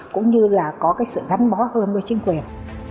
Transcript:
cũng như là có cái sự gắn bó hơn với chính quyền